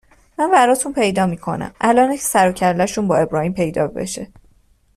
من براتون پیدا میکنم. الآنه که سروکلهشون با ابراهیم پیدا بشه